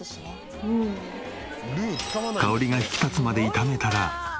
香りが引き立つまで炒めたら。